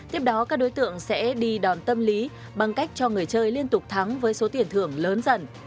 tiếp đó các đối tượng sẽ đi đòn tâm lý bằng cách cho người chơi liên tục thắng với số tiền thưởng lớn dần